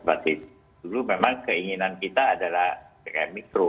jadi dulu memang keinginan kita adalah ppkm mikro